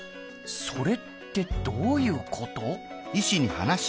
それってどういうこと？